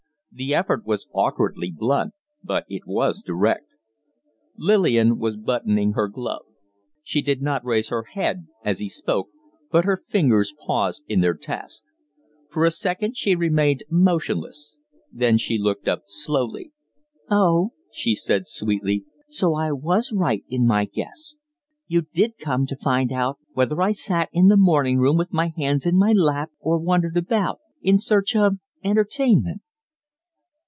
The effort was awkwardly blunt, but it was direct. Lillian was buttoning her glove. She did not raise her head as he spoke, but her fingers paused in their task. For a second she remained motionless, then she looked up slowly. "Oh," she said, sweetly, "so I was right in my guess? You did come to find out whether I sat in the morning room with my hands in my lap or wandered about in search of entertainment?"